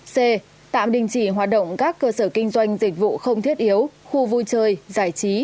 c tạm đình chỉ hoạt động các cơ sở kinh doanh dịch vụ không thiết yếu khu vui chơi giải trí